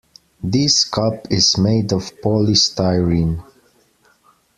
This cup is made of polystyrene.